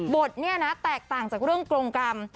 บทเนี่ยนะแตกต่างจากเรื่องกรงกรรม